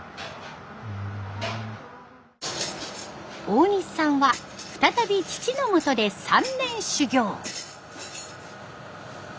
大西さんは再び父のもとで３年修業。